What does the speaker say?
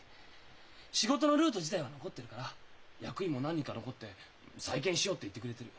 仕事のルート自体は残ってるから役員も何人か残って「再建しよう」って言ってくれてる。